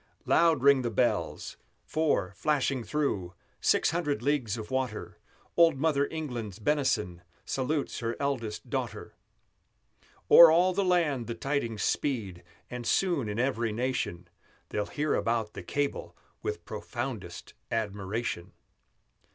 Loud ring the bells, for, flashing through Six hundred leagues of water, Old Mother England's benison Salutes her eldest daughter! O'er all the land the tidings speed, And soon, in every nation, They'll hear about the cable with Profoundest admiration!